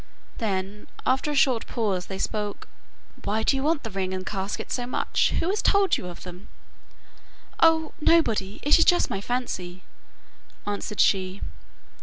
Then after a short pause they spoke. 'Why do you want the ring and casket so much? Who has told you of them?' 'Oh, nobody; it is just my fancy,' answered she.